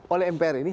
oleh mpr ini